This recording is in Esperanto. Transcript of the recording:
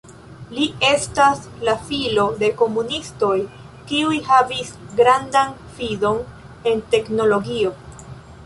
Li estas la filo de komunistoj kiuj havis grandan fidon en teknologio.